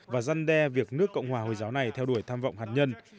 và răn đe việc nước cộng hòa hồi giáo này theo đuổi tham vọng hạt nhân